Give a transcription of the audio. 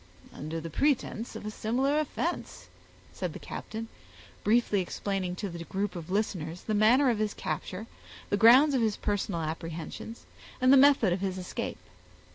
"Under the pretense of a similar offense," said the captain, briefly explaining to the group of listeners the manner of his capture, the grounds of his personal apprehensions, and the method of his escape.